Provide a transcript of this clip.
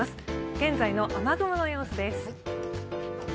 現在の雨雲の様子です。